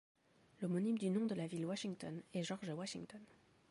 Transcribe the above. L'homonyme du nom de la ville Washington est George Washington.